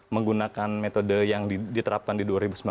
menggunakan metode yang diterapkan di dua ribu sembilan belas